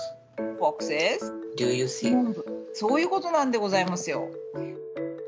そういうことなんでございますよ！